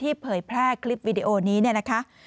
ที่เพลย์แพร่คลิปวิดีโอนี้นะคะ